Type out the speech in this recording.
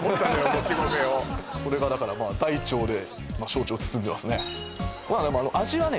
もち米をこれがだから大腸で小腸を包んでますねまあでも味はね